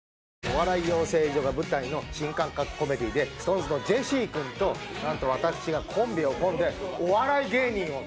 お笑い養成所が舞台の新感覚コメディーでＳｉｘＴＯＮＥＳのジェシー君となんと私がコンビを組んでお笑い芸人を。